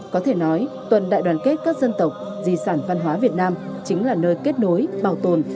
có thể nói tuần đại đoàn kết các dân tộc di sản văn hóa việt nam chính là nơi kết nối bảo tồn